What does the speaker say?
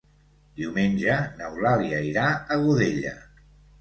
Diumenge n'Eulàlia irà a Godella.